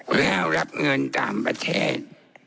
แล้วรับเงินต่างประเทศ